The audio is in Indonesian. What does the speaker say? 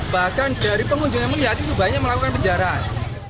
bahkan dari pengunjung yang melihat itu banyak melakukan penjarahan